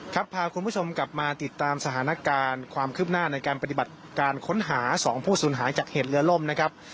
พาคุณผู้ชมกลับมาติดตามสถานการณ์ความคืบหน้าในการปฏิบัติการค้นหา๒ผู้สูญหายจากเหตุเรือล่มนะครับ